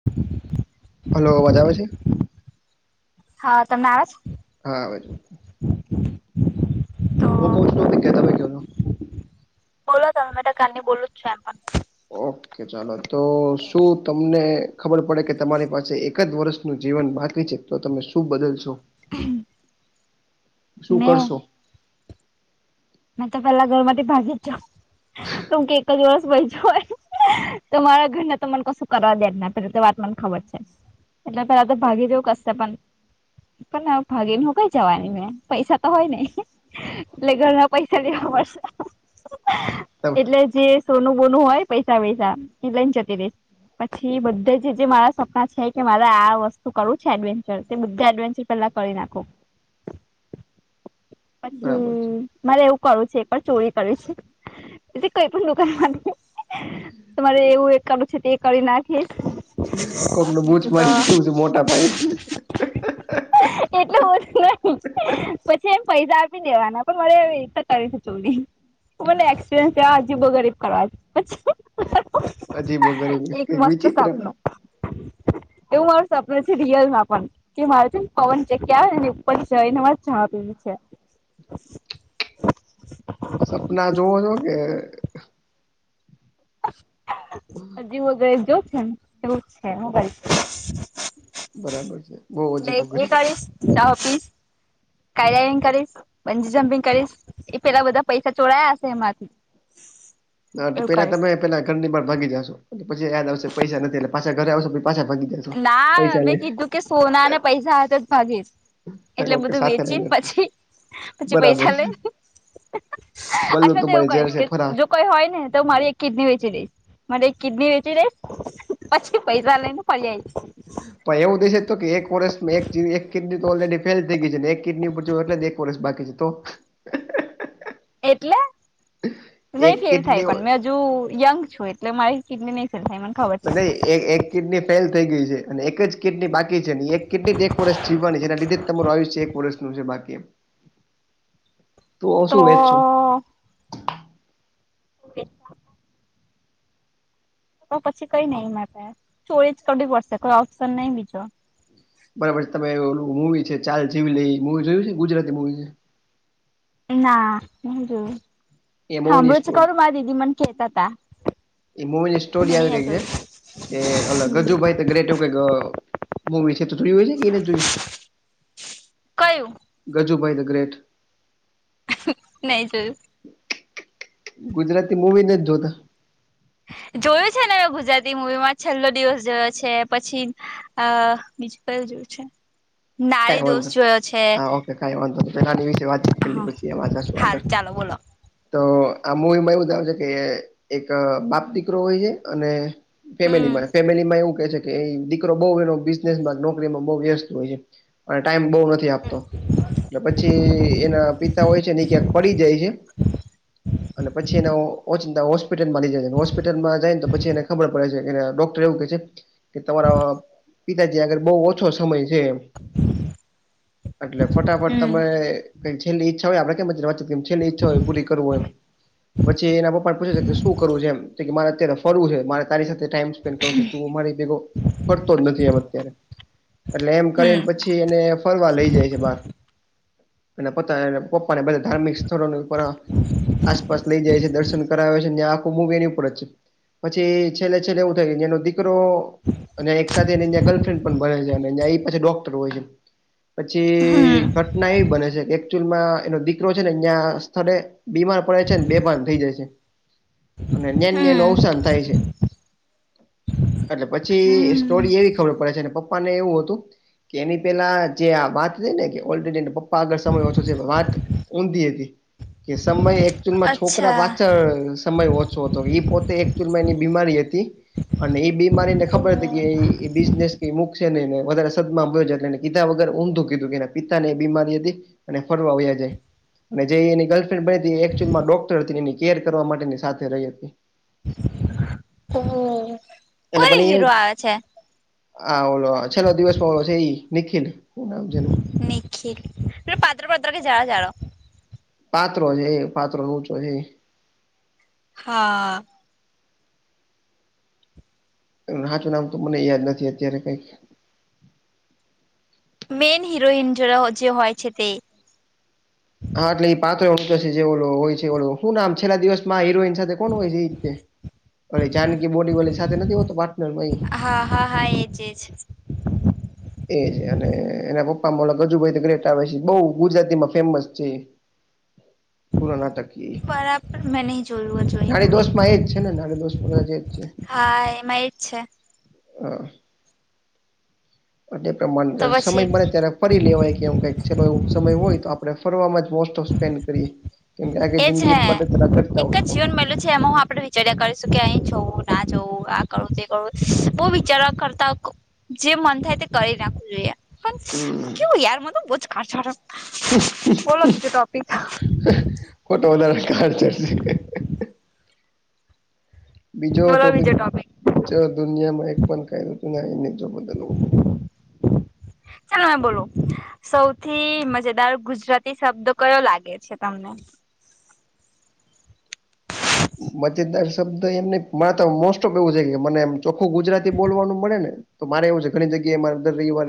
[inaudible] હલોવાજ આવે છે. હા તમેજ હા બજ તો હું કઉ છું તો કેહેતા ભ કે બોલો મેટા કાની બોલું છું પણ ઓ ઓકે ચાલો તો શું તમને ખબર પડે કે તમારી પાસે એક જ વર્ષનું જીવન બાકી છે. તો તમે શું બદલશો. હમ શું કરશો? મેં તો પેલા ઘર માંથી ભાજી જ છ કેમ કે એક જ વર્સ બય જ હોય. તો મારા ઘર તો મને કશું કરવા દે જને પે તો વાત મને ખબર છે. એટલે પે તો ભાગી દવું કસશે પણ પણ ભાગી ન કઈ જવાની મેં પૈસા તો હોય નહ એટલે ઘર પૈસા લેવા પડશે તમે એટલે જ. જે સોનું બોનું હોય પૈસા વૈસા એ લઈને જતી રસ પછી બધા જે મારા સપના છે કે મારે આ વસ્તુ કરવું છે એડવેન્ચર તે બધા એડવેન્ચર પેલા કળી નાખો પછી બરાબર છે. મારે એવું કરું છે એ પણ ચોરી કરવી છે એ કઈ પણ દુકાન માં. તમારે એવું એક કરડું છે તે એકી નાખી કોક નું બૂજ મારી દેવું છે મોટા પાયે. એટલું બું ન પછી એમ. પૈસા આપી દેવાના પણ મરે એતે કરી છે ચોરી. મને એક્સપિરયન્સ કે હજીબો ગરીબ કરવાછ. હજી બો કરીરે એક મસ્ત વિચિત્ર સપનું એવું મારું સપન છે રિયલમાં પણ કે મારે છે ને પવન જગ્યા આવે ને ઉપર જઈ ને મારે જવા પેું છે. [inaudible] હ સપના જોવો છો કે હજી વગરે જો છેમ એવું છે. બરાબર છે. બહુ એટલે અજીબો ગરીબ એકળસ દહ પીસ કડઇવિંગ કરીશ બંજી જમ્પિંગ કરીશ એ પેલા બધા પૈસા ચોડાયા હશે એમાંથી. એટલે એવું પેલા કરીશ તમે પેલા ઘરની બ ભાગી જશો પછી આયા દ આવસે પૈસા નથી એટલે પાછા ઘરે આવો પછી પાછા ભાગી. જાશો. ના પૈસા મેં લઈ કીધું કે સોના અને પૈસા હાથે જ ભાગીશ એટલે ઓકે બધું સાથે વેચીને લઈને પછી પછી બરાબર પૈસા છે. લે બલ્લુ અથવા તો એવું તુમારી કે ઝેર કે સે ફરાર જો. કોઈ હોય ને તો મારી એક કિડની વેચી દઈશ મારે એક કિડની વેચી દઈશ પછી પૈસા લઈને ફલેન્ડ પણ એવું દઈ શ તો કે એક વર્ષ એક એક કિડની તો ઓલરેડી ફેલ થઈ ગઈ છે ને એક કિડની પર એટ. પોલીસ બાકી છે તો એટલે નહી એક ફેલ કિડની થાય પણ મે જો યંગ છું એટલે મારી કીડલી નહી ફેલ થાય મને ખબર છે નહી એક કિડની ફેલ થઈ ગઈ છે અને એક જ કિડની બાકી છે એક કિડની જ એક વર્ષ જીવાની છે એના લીધે તમાર આવ્યું છે એક વર્ષનું છે બાકી એમ [unintelligible] તો શું વેચશું [unintelligible] પછી કઈ નહી માટે ચોરી જ કરવી પડશે કોઈ ઓપ્શન નહી બીજો બરાબર છે તમે ઓલું મુવી છે ચાલ જેવી લઈ મુવી જોયું છે ગુજરાતી મુવી છે ના નહી જોયું એ મૂવીની સાંભલયું છે સ્ટોરી ખરું મારા દીદી મને કેતા હતા એ મૂવીની સ્ટોરી આવી કઈ છે કે અલગ ગજુભાઈ ગ્રેટું કઇક મૂવી છે તો જોયું હશે કે એ નથી જોયું કયું ગજુભાઈ દ ગ્રેટ હ નહી જૉયુ ગુજરાતી મુવી નથી જોતા જોયું છે ને હવે ગુજરાતી મુવીમાં છેલ્લો દિવસ જોયો છે પછી અ બીજું કયુ જોયું છે કઈ નારી વાંધો દોષ જોયો છે હા ઓકે કઈ વાંધો નહી પેલાની વિશે વાતચીત કરી હા પછી એમાં જશું હાલ આગળ ચાલો બોલો તો આ મૂવી માં એવું બતાવે છે કે એક બાપ દીકરો હોય છે અને હમ ફેમિલીમાં ફેમિલીમાં એવું કે છે કે દીકરો બહું એનો બિઝનેસ માં નોકરીમાં બઉ વ્યસ્ત હોય છે અને ટાઈમ બહુ નથી આપતો પછી એના પિતા હોય છે ને ક્યાંક પડી જાય છે અને પછી એનો ઓચિંતા હોસ્પિટલમાં લઈ જાય હોસ્પિટલમાં જાય ને તો પછી એને ખબર પડે છે કે ડોક્ટર એવું કહે છે કે તમારા પિતાજી આગળ બહુ ઓછો સમય છે એટલે ફટાફટ હમ તમે કઈ છેલ્લી ઈચ્છા હોય આપડે કેમ વાત છેલ્લી ઈચ્છા હોય પૂરી કરવું હોય તો પછી એના પપ્પાને પૂછે છે કે શું કરવું છે એમ મારે અત્યારે ફરવું છે મારે તારી સાથે ટાઈમ સ્પેડ કરવું છે અમારી ભેગ ફરતો જ નથી એમ અત્યારે એટલે એમ કરી હમ પછી ને ફરવા લઇ જાય છે બહાર અને પોતા પપ્પા ને બધા ધાર્મિક સ્થળો આસપાસ લઈ જાય છે દર્શન કરાવે છે ને આખું મૂવી એની ઉપર જ છે પછી છેલ્લે છેલ્લે એવું થાય એનો દીકરો અને એક સાથેં ગર્લફ્રેન્ડ પણ ભરે છે અનેં એ પાછો ડોકટર હો છે હમ પછી ફટ ના એવી બને છે કે એકચુઅલમાં એનો દીકરો છે ને ત્યાં સ્થળે બીમાર પડે છે ને બેભાન થઇ જાય છે [unintelligible] અને ન્યાં ન્યા હમ એનું અવસાન થાય છે એટલે પછી હમ સ્ટોરી એવી ખબર પડે છે પપ્પા ને એવું હતું કે એની પેલા જે આ વાત થઇ ને કે ઓલરેડી એ પપ્પા આગળ સમય ઓછો છે વાત ઊંધ હતી કે સમય એક ચૂલમાં છોકરા અચ્છા પાછળ સમય ઓછો હતો એ પોતે એક ચૂલમાં એની બીમારી હતી. અને એ બીમારીને ખબર હતી કે બિઝનેસ કઈ મૂકશે નનેને વધારે. એ પીધા વગર ઊમું કીધું કે પિતા ને બીમારી હતી અને ફરવા વયા જાય. અને જે એની ગર્લફ્રેન્ડ બની હતી એ એકચઅમાં ડોક્ટર હતી એની કેર કરવા માટેની સાથે રહી હતી. ઓ. એટલે કોઈ પણ હીરો એવું આવે છે આ ઓલો છેલ્લો દિવસમાં છે એ નિખિલ. હુ નામ છે એનું કીર એ પાતડો પતડો કે જાડો જાડો પાતડો છે એ પાત્રળો ઉંચો છે. હા. નાચું નામ તો મને યાદ નથી અત્યારે કઈક. મેન હરોોહીિન જેરા જે હોય છે તે. હા એટલે એ પાત્ર ઉ છે જે હોય છે શું ના આમ છેલ્લા દિવસમાં હિરોઈન સાથે. કોણ હોય રીતે અ જાનકી બોડી વાળી સાથે નથી હોતો પાર્ટનર. હા હા હા એજજ. એજ અને એના પપ્પા મોડા ગજુભાઈ તો ગ્રેટ આવે છે બહ ગુજરાતીમાં ફેમસ છે. [inaudible] પૂરો નાટકીય બરાબર મેં નહી જોયું જોઈ નાડી મૂવી દોષ માં એજ છે ને નારી દોષ માં કદાચ એ જ છે. હા એમાં એજ છે. હા. એ પ્રમાણે તો સમય પછી મળને ત્યારે ફરી લેવાય કે એમ કક ચાલલો એવું સમય હોય તો આપણેેરમાં મોસ્ટ. સ્પેન્ડ કરીએ કેમકે આગે જિંદગી બધ ત કરતા હોય તો. મે છે એમાં હું આપણે. વિચાર્યા કરીશું કે અહી જોવું ના જોવું આ કરું તે કરું બહ વિચારવા કરતા. જે મન થાય તે કરી નાખવું જોઈ પણ હમ કેવું યાર મ તો બ જ ખ. હ. ખોટો વધારેા કાર ચડશે. બીજો બોલો ટોપિક બીજો જો દુનિયામાં એક પણ કઈઋતું ના ને જો બદલ. ક હ બોલું. સૌથી મજેદાર ગુજરાતી શબ્દ કયો લાગે છે તમને. મજેદાર શબ્દ એમને મા તો મોસ્ટ ઓફ એવું છે કે મનેમ. ચોખ્ખું ગુજરાતી બોલવાનું મળે ને તો મારે એવું છે ઘણી જગ્યાએ માર રવિવાર.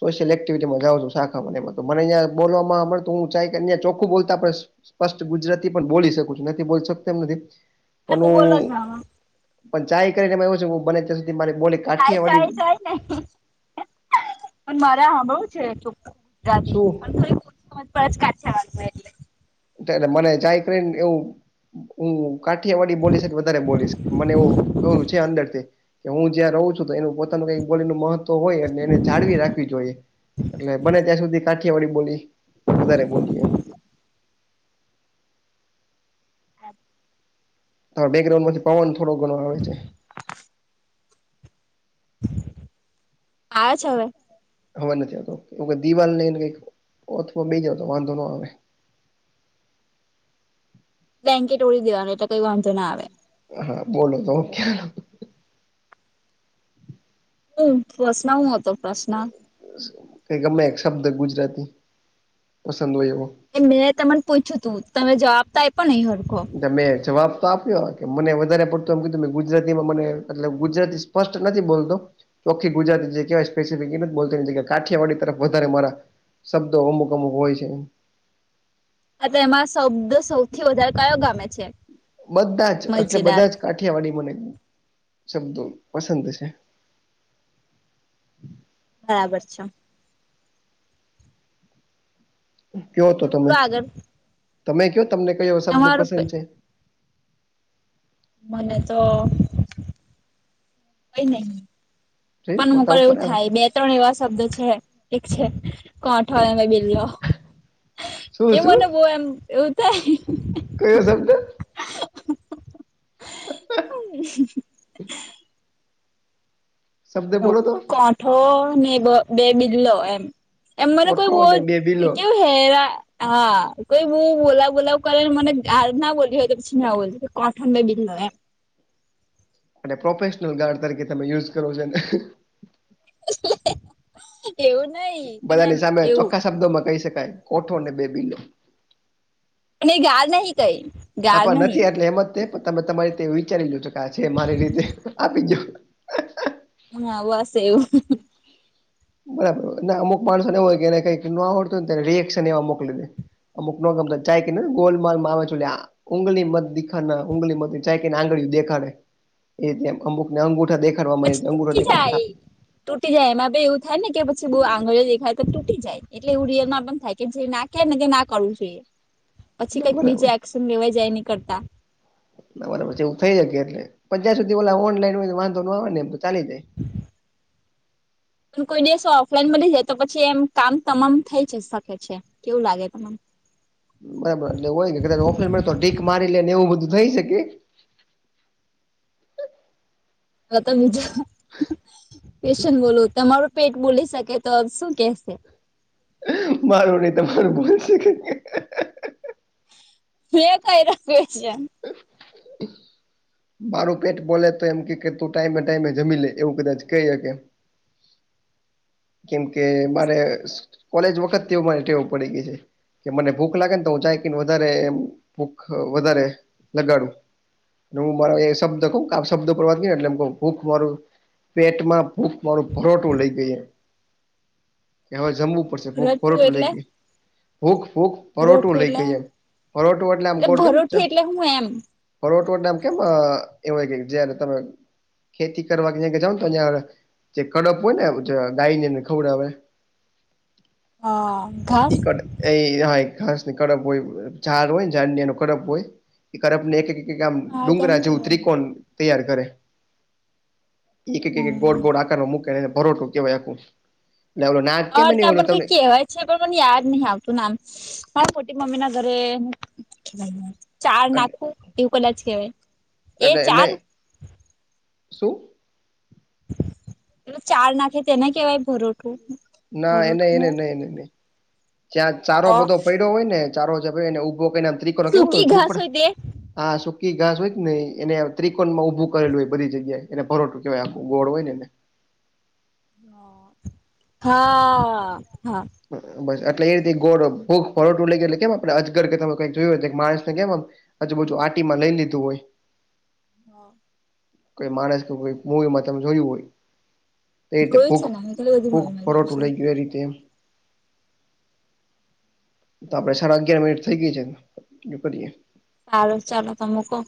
સોશિયલ એક્ટિવિટીમાં જાઉ છું શાખા મનેયા બોલવામાંું હું કેહીયા ચખું બોલતા પડ. સ્પષ્ટ ગુજરાતી પણ બોલી શકું છું નથી બોલકું. પણ આ તો બોલો જ હ મામા પણ ચાય કરીને એવું છે બને ત્યાં સુધી મારી બોલી. થાય થાય કાઠિયાવાડી થાય નહી પણ મારે સાંભળું છે ચો. ગાદી શું પણ થોડી કચ થવા એટલે. એટલે મને જાય કરીને એવું. હું કાઠિયાવાડી બોલીશ વધારે બોલીશ મને એવું એું છે અંદરથી. કે હું જ્યાં રહું છું તો એનું. પોતાનું કઈ બોલીનું મહત્વ હોય એટ એને જાળવી રાખવી જોઈએ એટલે બને ત્યાં સુધી. કાઠિયાવાળી બોલી વધારે બોલીએ. હ. એટલે. ત બેકગ્રાઉન્ડ માંથી પવન થોડો ઘો આવે છે. આવે છે હવે. હવા નથી આવતો એવ દિવાલ નેને કઈકથવા મે જતો વાંધો ન આવે. બે્ન્કે ટ તોળડી દેવાનું એટલે કઈ વાંધો ના આવે. હા બોલો તો હું ખ્યા. હું પ્રશન હું હતો પ્રશ્ન. ગમે એક શબ્દ ગુજરાતી પસંદ હોય એવો. એ મેં તમને પૂછ્યું તું તમે જવાબ તો આપ્યો નહીં હ. ગમે જવાબ. આપ્યો કે મને વધારે પડતું એમ કીધું મે ગુજરાતીમાં મને ગુજરાતી સ્પષ્ટ નથી બોલતો. ચોખી ગુજરાતિ જે કેવાય સ્પેસફિક એ બોલતા કાઠિયાડી તરફ વધારે મારા. શબ્દો અમુક અમુક હોય છે. એમાં શબ્દ સૌથી વધારે કાયયો ગમે છે. બધા જ એટલે મજેદાર બધા જ કાઠિયાવાડી મને શબ્દો પસંદ છે. બરાબર છો. કયો મે તો બોલું તમે આગળ તમે કયો તમને કયો શબ્દ તમારું પસંદ છે. મને તો કઈ નહી. જોયું પણ મોક પોતા ઉપર એવું આવે થાય છે બે ત્રણ એવા શબ્દ છે એક છે કોઠો અને બિલ્લો શું એ શું મને બહ એમ એવું થાય કયો શબ્દ [unintelligible] [inaudible] શબ્દે બોલો તો ઠો ને બે બિલ્લો એમ એમ મને કોઈ કોઠો બોલ અને બે બિલો કેવું હેરા હા કોઈ બ બોલાવ બોલાવ કરેને મને ગાળ ના બોલી હોય તો પછી ના બોલ કોઠો ને બે બિલ્લો એમ અને પ્રોફેશનલ ગાર્ડ તરીકે તમે યુઝ કરો છો. [inaudible] એવું નહી પણ બધાની એમ સામે એવું ચોખ્ખા શબ્દો માં કહી શકાય કોઠોને બે બીલો અને ગાળ નહિ કઈ ગાળ નહી. એમાં તે પણ તમે તમારી તે વિચારી લો તો કે છે મારી રીતે આપીજ વાસ એવું હ હ બરાબર ના અમુક માણસોને હોય કેને કઈ ન આવડતું તને રીએક્શન એવા મોકલી દે અમુકનો ગમ જાય કે ને ગોલ માલમાં આવે છો. ઊગલી મત દેખાના ઊગલી મત ચાય કેને આંગળી દેખાડે એ અમુકને અંગૂઠા દેખાવા પછી મળે અંગૂઠા તૂટી દેડતો. જાય તૂટી જાય એમાં બી એવું થાય ને કે પછી બહુ આંગળીઓ દેખાય તો તૂટી જાય. એટલે એવું રીઅલ મા પણ થાય કે જે ના કે ને કે ના કરવું જોઈએ. પછી ના કઈક બરાબર બીજા એસન લેવાય જાય ની કરતા. ના બરાબર એવું થઈ જશે એટલે જ્યાર સુધી ઓલા ઓનલાઈન હોય વાંધો ન આવે ને ચાલી જાય. કોઈ દિવસો ઓફલાઈન મળી જાય તો પછી એમ કામ તમામ થઈ જ શકે છે કેવું લાગે તમન બરાબર એટલે હોય કદાચ ઓફલાઈન મળે તો ઢીક મારી લે ને એવું બધું થઈ શકે. હ તો બીજું કેશન બોલું તમારું. પેટ બોલી શકે તો શું કેશે મારું નઈ તમારું બોલશે કે [unintelligible] [inaudible] મારું પેટ બોલે તો એમ કે તું ટાઈમે ટાઈમે જમી લે એવું કદાચ કૈ હકે કેમ કે મારે કોલેજ વખત તેવું મારે ટેવ પડી ગય છે. કે મને ભૂખ લાગે ને તો હું ચાય કેન વધારે એમ ભૂખ વધારે લગાડું ને હું મારા એ શબ્દ કહું શબ્દ ઉપર વાતને એટલે મુ કઉ ભૂખ મારું પેટમાં ભૂખ મારું ભરોટું લઇ ગઈ એ. કે હવે જમવું પડશે ભૂખ ભરથું ભરોટું લઈ એટલે ગય ભૂખ ભૂખ પરોટું ભરોઠું લઈ એટલે ગઈ એમ પરોટું એટલે આમ કોણ કેમ છે. ભરોઠી એટલે હું એમ પરોટુ એટલે આમ કેમ અ કેવાય જેને તમે ખેતી કરવા જાવને તો ને આવે જે કડપ હોય ને ડાઈને ખવડાવે હ ઘાસ ઈ કડ એ હા ખાસ કરપ હોય ચાર હોયને જાનિયા ન કરપ હોય એ કરપ ને એક એક. આમ હા કેમ ડુંગરા જેવું ત્રિકોણ તૈયાર કરે. એક એક ગોળ કેવાય ગોળ આકારમાં મૂકેને ભરોટું કેવાય આખું એટલે ના. અર ત આપણને કઈ કેવાય છે પણ મને યાદ નહીં આવતું નામ મારા મોટી મમ્મીના ઘરે ચાર નાખું એવું કદાચ કેવાય. એટલે નઈ શું? ચાર નાખીએ તેને કેવાય ભરોઠું? ના એને ભરોઠું એને નઈ એને નઈ, જ્યાં ચારો અ બધો પય ડો હોયને ચારો જયા એને ઉભો કરીન આમ ત્રિકોણ કેવો સૂકી ઘાસ ઝૂપડા હોય તે આા સુકી ઘાસ હોય ક નઈ એને ત્રિકોણમાં ઊભું કરેલું હોય બધી જગ્યાએ એને ભરોઠું કેવાય આખું ગોળ હોય ન એને. હા હા. બસ એટલે એ રીતે ગોળ ભૂખ ભરોઠું લઈ ગયા એટલે કેમ આપડે અજગર કેમે કઈક જોયું હોય તઘ માણસ ને કેમ આમ આજુબાજુ આટીમાં લઈ લીધું હોય. હ. કોઈ માણસ કોઈક મૂવીમાં તમ જોયું હોય. એ રીતે જોયું ફૂક છે ને મેં કેટલી બધી ફૂક મૂવીમાં જોયું ભરોઠું છે લઇ ગયું એ રીતે એમ. તો આપડે સાડા અગિયાર મિનિટ થઈ ગઈ છે [unintelligible] હારું ચાલો તો મૂકો.